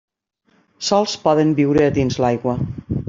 Sols poden viure dins l'aigua.